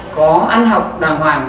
có ăn học đàng hoàng